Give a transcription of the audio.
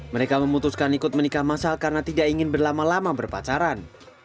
mereka memutuskan ikut menikah masal karena tidak ingin berlama lama berpacaran